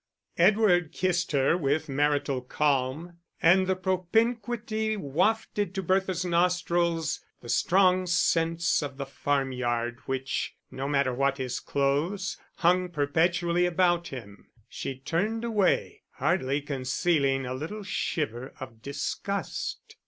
Edward kissed her with marital calm, and the propinquity wafted to Bertha's nostrils the strong scents of the farmyard, which, no matter what his clothes, hung perpetually about him. She turned away, hardly concealing a little shiver of disgust.